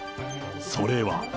それは。